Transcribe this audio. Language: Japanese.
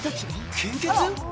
献血？